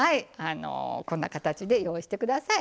こんな形で用意して下さい。